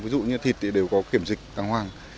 ví dụ như thịt thì đều có kiểm dịch tăng hoàng